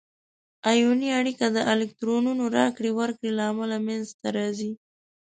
آیوني اړیکه د الکترونونو راکړې ورکړې له امله منځ ته راځي.